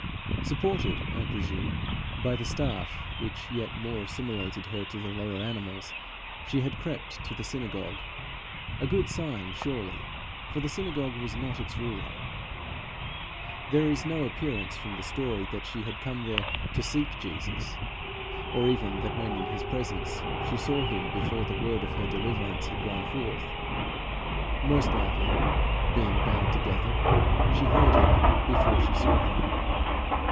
Supported, I presume, by the staff which yet more assimilated her to the lower animals, she had crept to the synagogue a good sign surely, for the synagogue was not its ruler. There is no appearance from the story, that she had come there to seek Jesus, or even that when in his presence she saw him before the word of her deliverance had gone forth. Most likely, being bowed together, she heard him before she saw him.